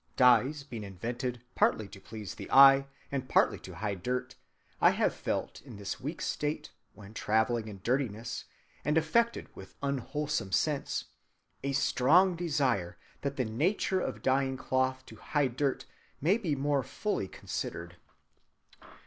Dyes being invented partly to please the eye, and partly to hide dirt, I have felt in this weak state, when traveling in dirtiness, and affected with unwholesome scents, a strong desire that the nature of dyeing cloth to hide dirt may be more fully considered.